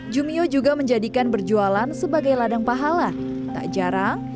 jumio juga menjadikan raya jumio sebagai kekuatan yang terbaik